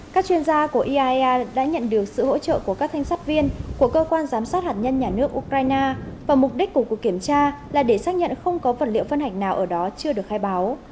các chuyên gia của iaea đã nhận được sự hỗ trợ của các thanh sát viên của cơ quan giám sát hạt nhân nhà nước ukraine và mục đích của cuộc kiểm tra là để xác nhận không có vật liệu phân hạch nào ở đó chưa được khai báo